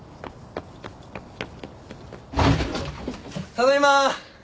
・ただいま。